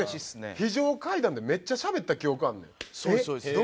非常階段でめっちゃしゃべった記憶あんねん。